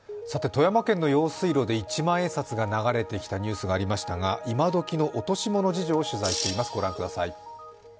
富山県の用水路で一万円札が流れてきたニュースがありましたが、いまどきの落とし物事情を取材しています、御覧ください。